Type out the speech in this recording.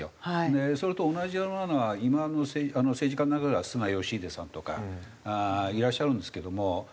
でそれと同じようなのは今の政治家の中では菅義偉さんとかいらっしゃるんですけども。